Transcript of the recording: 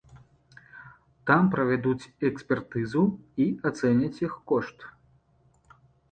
Там правядуць экспертызу і ацэняць іх кошт.